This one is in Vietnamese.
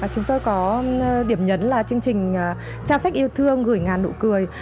chúng tôi có điểm nhấn là chương trình trao sách yêu thương gửi ngàn nụ cười